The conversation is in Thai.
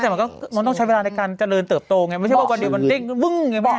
แต่มันก็มันต้องใช้เวลาในการเจริญเติบโตไงไม่ใช่ว่าวันเดียวมันเด้งบึ้งไงบ้าง